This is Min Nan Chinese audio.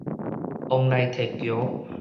鳳梨宅橋